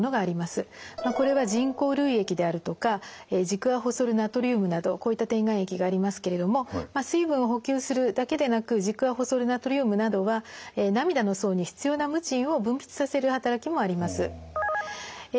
これは人工涙液であるとかジクアホソルナトリウムなどこういった点眼液がありますけれども水分を補給するだけでなくジクアホソルナトリウムなどは涙の層に必要なムチンを分泌させる働きもあります。